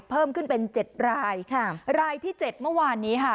เพิ่มขึ้นเป็น๗รายรายที่๗เมื่อวานนี้ค่ะ